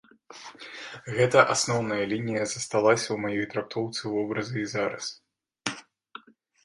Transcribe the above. Гэта асноўная лінія засталася ў маёй трактоўцы вобраза і зараз.